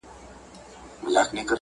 د شمال او ختیځ د لنډه غریو